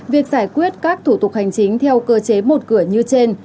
việc giải quyết các thủ tục hành chính theo cơ chế một cửa như trên